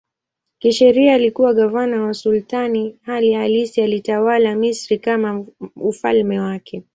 Kisheria alikuwa gavana wa sultani, hali halisi alitawala Misri kama ufalme wake.